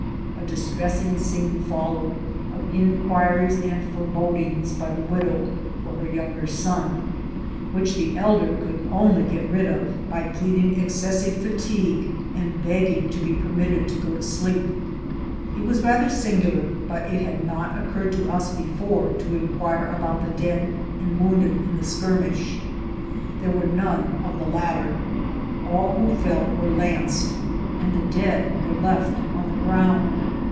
A distressing scene followed, of inquiries and forebodings by the widow for her younger son, which the elder could only get rid of by pleading ex 92 INCIDENTS OF TRAVEL. cessive fatigue, and begging to be permitted to go to sleep. It was rather singular, but it had not occurred to us before to inquire about the dead and wounded in the skirmish. There were none of the latter ; all who fell were lanced, and the dead were left on the ground.